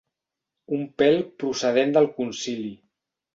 Un pèl procedent del concili.